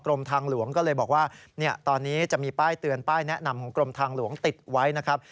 ทางหลวงก็เลยบอกว่าตอนนี้จะมีป้ายเตือนป้ายแนะนำของกรมทางหลวงติดไว้นะครับ